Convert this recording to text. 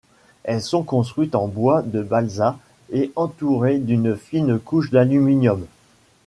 Elles sont construites en bois de balsa et entourés d’une fine couche d’aluminium.